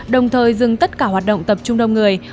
đồng thời dừng tất cả hoạt động tập trung đông người